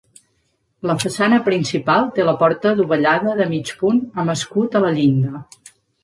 La façana principal té la porta dovellada de mig punt amb escut a la llinda.